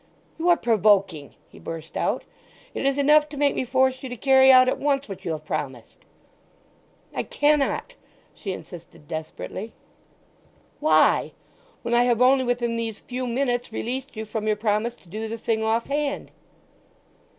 "You are provoking!" he burst out. "It is enough to make me force you to carry out at once what you have promised." "I cannot!" she insisted desperately. "Why? When I have only within these few minutes released you from your promise to do the thing offhand."